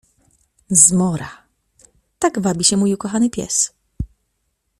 Zmora - tak wabi się mój ukochany pies!